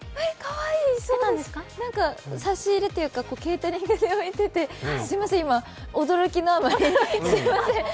差し入れというかケータリングに置いててすみません、今、驚きのあまり、つい。